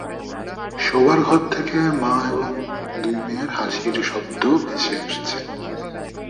শোবার ঘর থেকে মা এবং দুই মেয়ের হাসির শব্দ ভেসে আসছে।